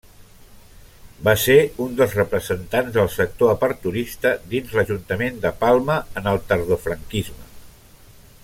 Va ser un dels representants del sector aperturista dins l'ajuntament de Palma en el tardofranquisme.